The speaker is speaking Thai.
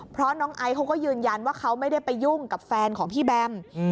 เพราะน้องไอซ์เขาก็ยืนยันว่าเขาไม่ได้ไปยุ่งกับแฟนของพี่แบม